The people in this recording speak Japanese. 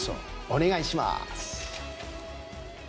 お願いします。